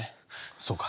そうか。